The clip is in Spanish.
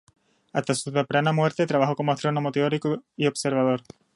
Hasta su temprana muerte, trabajó como astrónomo teórico y observador.